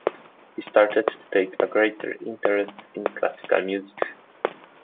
He started to take a greater interest in classical music.